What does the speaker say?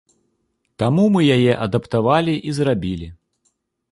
Таму мы яе адаптавалі і зрабілі.